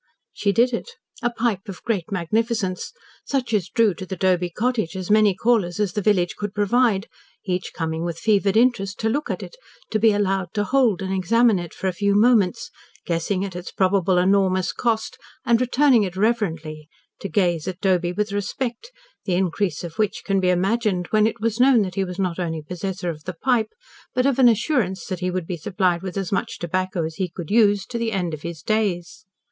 She did it a pipe of great magnificence such as drew to the Doby cottage as many callers as the village could provide, each coming with fevered interest, to look at it to be allowed to hold and examine it for a few moments, guessing at its probable enormous cost, and returning it reverently, to gaze at Doby with respect the increase of which can be imagined when it was known that he was not only possessor of the pipe, but of an assurance that he would be supplied with as much tobacco as he could use, to the end of his days.